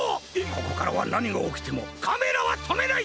ここからはなにがおきてもカメラはとめない！